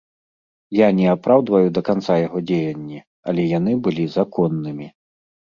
Я не апраўдваю да канца яго дзеянні, але яны былі законнымі.